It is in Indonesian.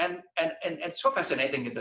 dan itu sangat menarik